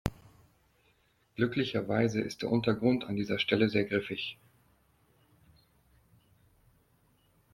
Glücklicherweise ist der Untergrund an dieser Stelle sehr griffig.